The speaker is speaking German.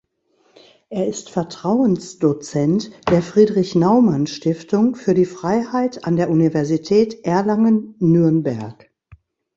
Er ist Vertrauensdozent der Friedrich-Naumann-Stiftung für die Freiheit an der Universität Erlangen-Nürnberg.